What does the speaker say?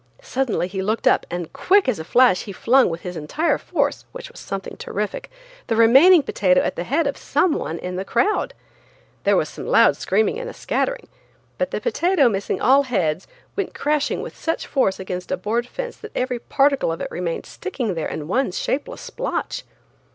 Suddenly he looked up, and as quick as a flash he flung, with his entire force, which was something terrific, the remaining potato at the head of some one in the crowd. There was some loud screaming and a scattering, but the potato missing all heads, went crashing with such force against a board fence that every particle of it remained sticking there in one shapeless splotch.